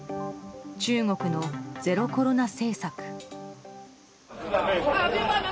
中国のゼロコロナ政策。